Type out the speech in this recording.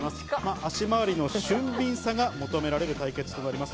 足回りの俊敏さが求められる対決となります。